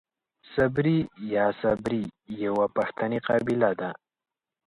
صبري يا سبري يوۀ پښتني قبيله ده.